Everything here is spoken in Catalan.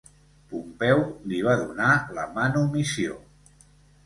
Pompeu li va donar la manumissió.